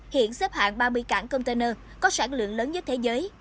hiện xếp hạng ba mươi cảng container có sản lượng lớn nhất thế giới